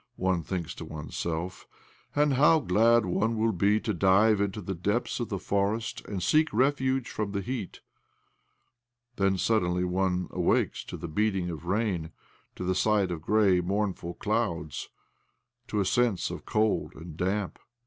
one thinks to oneself. " And how glad one will be to dive into the depths of the forest and seek refuge from the heat 1 " Then suddenly one awakes to the beating of rain, to the sight of grey, mournful clouds, to a sense of cold and damp.